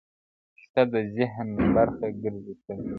o کيسه د ذهن برخه ګرځي تل,